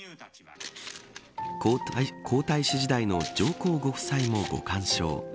皇太子時代の上皇ご夫妻もご鑑賞。